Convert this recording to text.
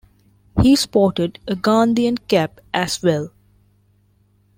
He sported a Gandhian cap as well.